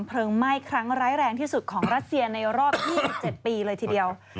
ไหม้ครั้งร้ายแรงที่สุดของรัสเซียในรอบ๒๗ปีเลยทีเดียว